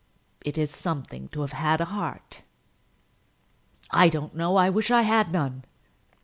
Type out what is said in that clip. It is something to have had a heart." "I don't know. I wish that I had none."